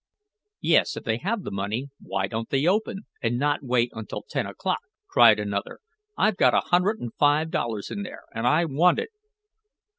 "Yes, if they have the money, why don't they open, and not wait until ten o'clock?" cried another. "I've got a hundred and five dollars in there, and I want it!"